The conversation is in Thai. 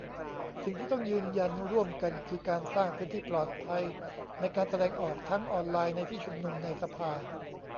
สิ่งที่ต้องยืนยันร่วมกันคือการสร้างพื้นที่ปลอดภัยในการแสดงออก ทั้งออนไลน์ ในที่ชุมนุม ในสภา